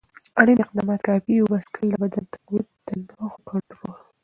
اړین اقدامات: کافي اوبه څښل، د بدن تقویت، د نښو کنټرول.